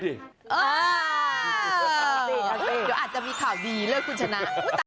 เดี๋ยวอาจจะมีข่าวดีเลือกคุณชนะ